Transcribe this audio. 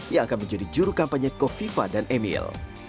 yang akan menjadi juru kampanye kofifa dan emil